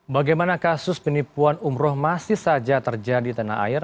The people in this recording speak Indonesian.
bagaimana kasus penipuan umroh masih saja terjadi di tanah air